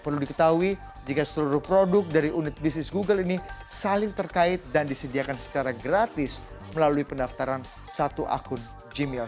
perlu diketahui jika seluruh produk dari unit bisnis google ini saling terkait dan disediakan secara gratis melalui pendaftaran satu akun gmil